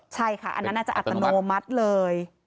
ใช่ค่ะอันนั้นอาจจะอัตโนมัติเลย